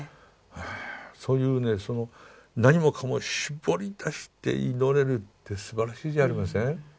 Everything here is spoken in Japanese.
ああそういうね何もかも絞り出して祈れるってすばらしいじゃありません？